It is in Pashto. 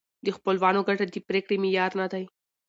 د خپلوانو ګټه د پرېکړې معیار نه دی.